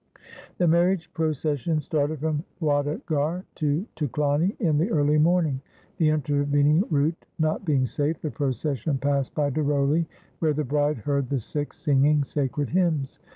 The marriage procession started from Wadaghar to Tuklani in the early morning. The intervening route not being safe, the procession passed by Daroli, where the bride heard the Sikhs singing sacred hymns.